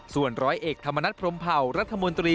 ส่วนร้อยเอกธรรมนัฐพรมเผารัฐมนตรี